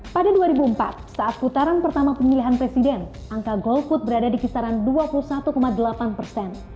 pada dua ribu empat saat putaran pertama pemilihan presiden angka golput berada di kisaran dua puluh satu delapan persen